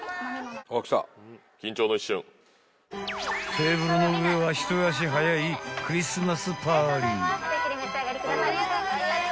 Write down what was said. ［テーブルの上は一足早いクリスマスパーリー］